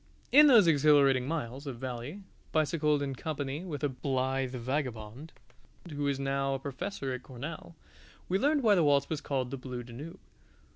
In those exhilarating miles of valley, bicycled in company with a blithe vagabond who is now a professor at Cornell, we learned why the waltz was called "The Blue Danube."